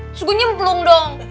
terus gue nyemplung dong